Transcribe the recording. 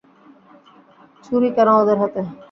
ছুরি কেন ওদের হাতে?